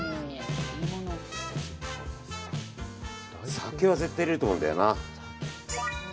酒は絶対入れると思うんだよな。